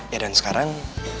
ya dan sekarang